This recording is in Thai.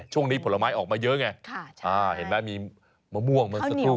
ผลไม้ออกมาเยอะไงเห็นไหมมีมะม่วงเมื่อสักครู่